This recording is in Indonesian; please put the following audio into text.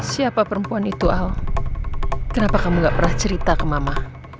siapa perempuan itu al kenapa kamu gak pernah cerita ke mama